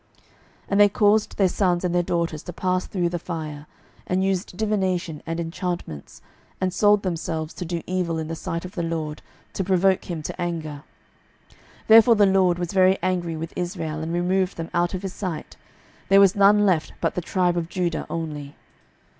12:017:017 And they caused their sons and their daughters to pass through the fire, and used divination and enchantments, and sold themselves to do evil in the sight of the LORD, to provoke him to anger. 12:017:018 Therefore the LORD was very angry with Israel, and removed them out of his sight: there was none left but the tribe of Judah only.